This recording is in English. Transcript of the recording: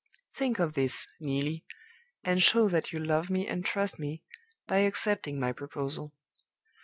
Think of this, Neelie, and show that you love me and trust me, by accepting my proposal.